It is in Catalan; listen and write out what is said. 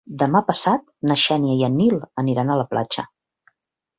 Demà passat na Xènia i en Nil aniran a la platja.